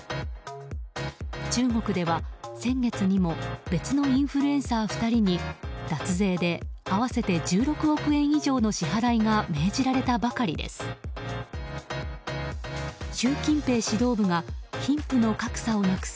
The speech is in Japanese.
中国では先月にも別のインフルエンサー２人に脱税で合わせて１６億円以上の支払いが命じられたばかりです。